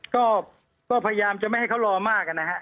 ก็พยายามจะไม่ให้เขารอมากนะฮะ